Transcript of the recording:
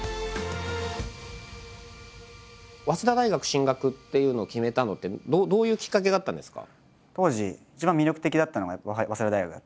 早稲田大学進学っていうのを決めたのってどういうきっかけがあったんですか？